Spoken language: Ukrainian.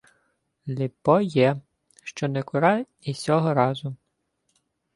— Ліпо є, що не кура й сього разу.